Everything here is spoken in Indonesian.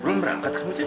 belum berangkat kemu cik